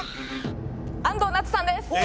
安藤なつさんです。